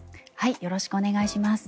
よろしくお願いします。